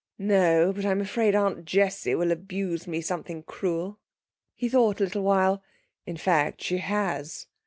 'No. But I'm afraid Aunt Jessie will abuse me something cruel.' He thought a little while. 'In fact she has.'